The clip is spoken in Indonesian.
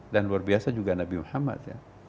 dan luar biasa juga nabi muhammad